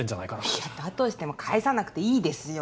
いやだとしても返さなくていいですよ。